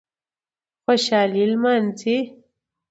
خوشالي نمانځي